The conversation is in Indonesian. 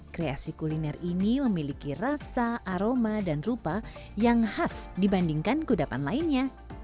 kreasi kuliner ini memiliki rasa aroma dan rupa yang khas dibandingkan kudapan lainnya